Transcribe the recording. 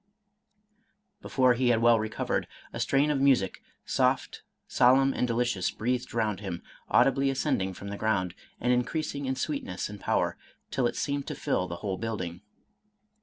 . Before he had well recovered, a strain of music, soft, sol emn, and delicious, breathed round him, audibly ascend ing from the ground, and increasing in sweetness and power till it seemed to fill the whole building.